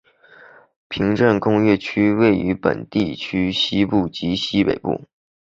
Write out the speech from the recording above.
平镇工业区位于本地区西部及西北部。